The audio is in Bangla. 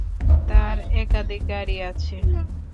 তার একাধিক গাড়ি আছে।